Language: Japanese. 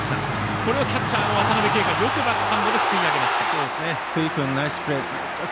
これをキャッチャーの渡辺憩がよくバックハンドですくい上げました。